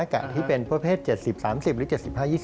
กัดที่เป็นประเภท๗๐๓๐หรือ๗๕๒๐